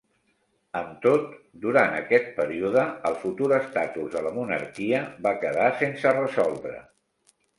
Amb tot, durant aquest període el futur estatus de la monarquia va quedar sense resoldre.